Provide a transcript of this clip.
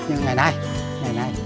như ngày nay